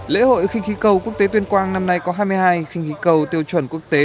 lễ hội kinh khí cầu quốc tế tuyên quang năm nay có hai mươi hai khinh khí cầu tiêu chuẩn quốc tế